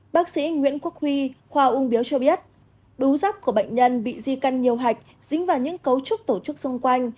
bác sĩ nguyễn quốc huy khoa ung biếu cho biết bứu giáp của bệnh nhân bị di căng nhiều hạch dính vào những cấu trúc tổ chức xung quanh